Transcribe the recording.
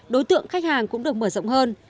đối tượng khách hàng cũng được mở rộng hơn